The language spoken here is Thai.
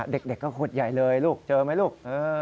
เด็กก็ขุดใหญ่เลยลูกเจอไหมลูก